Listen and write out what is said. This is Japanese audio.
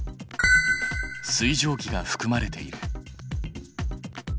水蒸気がふくまれている。